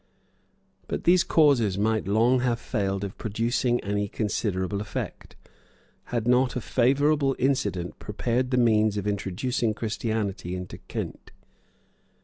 But these causes might long have failed of producing any considerable effect, had not a favorable incident prepared the means of introducing Christianity into Kent.